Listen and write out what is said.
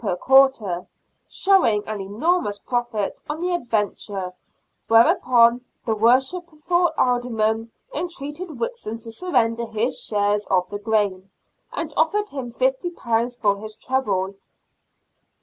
per quarter, showing an enormous profit on the adventure, whereupon the worshipful Aldermen entreated Whitson to surrender his share of the gain, and offered him £50 for his trouble.